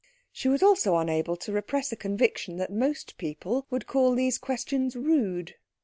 She was also unable to repress a conviction that most people would call these questions rude.